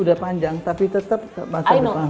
udah panjang tapi tetap masa depan